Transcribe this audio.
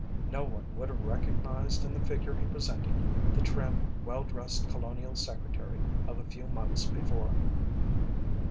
No one would have recognised in the figure he presented, the trim, well dressed Colonial Secretary of a few months before.